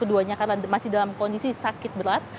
keduanya karena masih dalam kondisi sakit berat